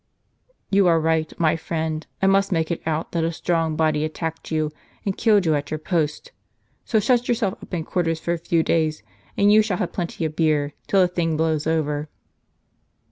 "You are right, my friend; I must make it out that a strong body attacked you, and killed you at your post. So shut yourself up in quarters for a few days, and you shall have plenty of beer, till the thing blows over."